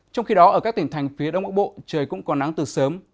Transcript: trong khi đó ở các tỉnh thành phía đông bắc bộ trời cũng còn nắng từ sớm